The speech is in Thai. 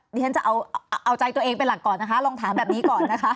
เดี๋ยวฉันจะเอาใจตัวเองเป็นหลักก่อนนะคะลองถามแบบนี้ก่อนนะคะ